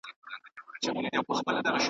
هم پروا نه لري .